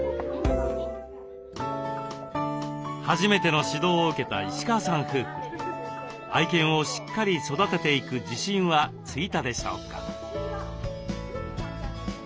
初めての指導を受けた石川さん夫婦愛犬をしっかり育てていく自信はついたでしょうか？